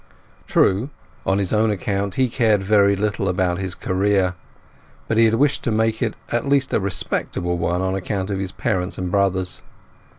True, on his own account he cared very little about his career; but he had wished to make it at least a respectable one on account of his parents and brothers.